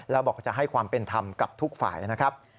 แล้วบอกจะให้ความเป็นธรรมกับทุกฝ่ายนะครับ